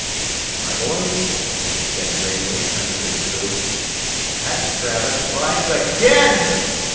"My boys," he said gravely, turning to the crew, "Pat Travis rides again!"